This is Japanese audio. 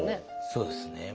そうですね